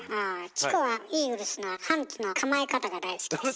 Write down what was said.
チコはイーグルスのハーツの構え方が大好きです。